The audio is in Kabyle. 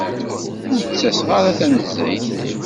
Ur d-ttaseɣ ara tanezzayt.